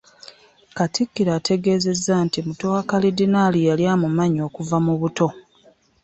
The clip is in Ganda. Katikkiro ategeezezza nti muto wa Kalidinaali yali amumanyi okuva mu buto